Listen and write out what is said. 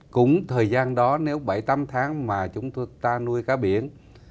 cũng thời gian đó nếu bảy tám tháng mà chúng tôi ta nuôi cá biển